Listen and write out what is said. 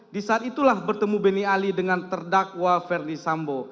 di saat itulah bertemu benny ali dengan terdakwa ferdisambo